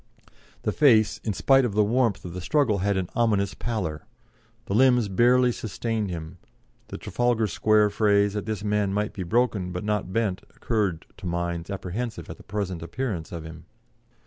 The face, in spite of the warmth of the struggle, had an ominous pallor. The limbs barely sustained him.... The Trafalgar Square phrase that this man might be broken but not bent occurred to minds apprehensive at the present appearance of him."